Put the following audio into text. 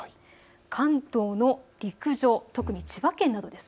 関東の陸上、特に千葉県です。